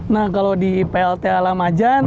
nah kalau di plta lamajan